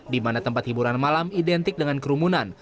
di mana tempat hiburan malam identik dengan kerumunan